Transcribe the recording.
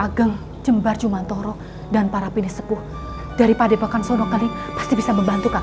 hai kagang di jambar juman thoro dan para pindis sepuh dari padepahkan surnakali pasti bisa membantu kakang